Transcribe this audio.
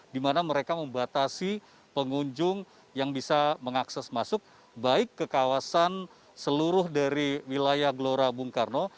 di mana mereka membatasi pengunjung yang bisa mengakses masuk baik ke kawasan seluruh dari wilayah gelora bung karno